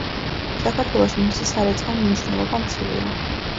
საქართველოში მისი სარეწაო მნიშვნელობა მცირეა.